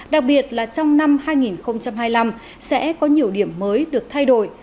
hai nghìn hai mươi ba đặc biệt là trong năm hai nghìn hai mươi năm sẽ có nhiều điểm mới được thay đổi